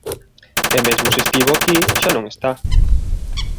E mesmo se estivo aquí, xa non está.